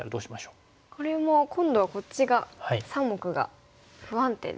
これも今度はこっちが３目が不安定ですね。